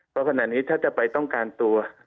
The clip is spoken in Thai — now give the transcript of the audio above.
เพราะขณะนี้ถ้าจะไปต้องการตัว